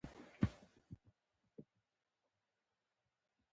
رقیب زما په مقابل کې هڅه کوي